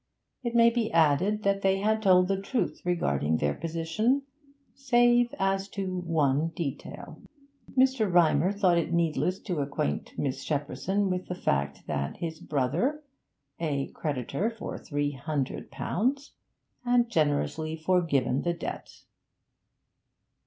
It may be added that they had told the truth regarding their position save as to one detail: Mr. Rymer thought it needless to acquaint Miss Shepperson with the fact that his brother, a creditor for three hundred pounds, had generously forgiven the debt.